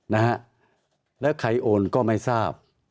นะฮะแล้วใครโอนก็ไม่ทราบ